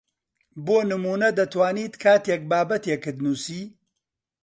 بۆ نموونە دەتوانیت کاتێک بابەتێکت نووسی